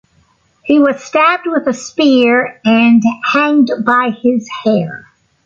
He was stabbed with a spear and hanged by his hair.